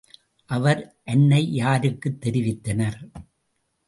அவர் அன்னையாருக்குத் தெரிவித்தனர்.